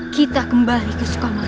kita kembali ke sekolah